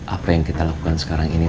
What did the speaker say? apa yang kita lakukan sekarang ini